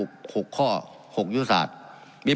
การปรับปรุงทางพื้นฐานสนามบิน